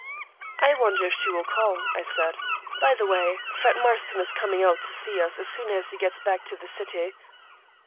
"I wonder if she will call," I said. "By the way, Fred Marston is coming out to see us as soon as he gets back to the city."